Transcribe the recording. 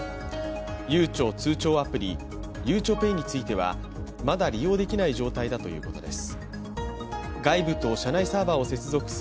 ゆうちょ通帳アプリ、ゆうちょｐａｙについては、まだ利用できない状態ということです。